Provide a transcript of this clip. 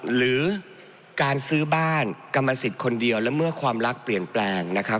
หรือการซื้อบ้านกรรมสิทธิ์คนเดียวและเมื่อความรักเปลี่ยนแปลงนะครับ